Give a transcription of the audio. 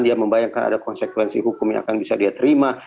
dia membayangkan ada konsekuensi hukum yang akan bisa dia terima